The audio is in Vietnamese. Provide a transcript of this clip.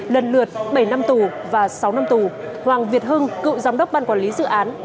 lần lượt bảy năm tù và sáu năm tù hoàng việt hưng cựu giám đốc ban quản lý dự án